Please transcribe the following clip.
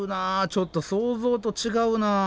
ちょっと想像と違うな。